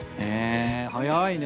早いね。